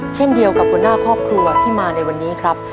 เช่นเดียวกับหัวหน้าครอบครัวที่มาในวันนี้ครับ